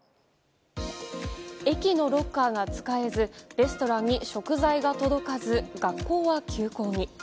駅のロッカーが使えずレストランに食材が届かず学校は休校に。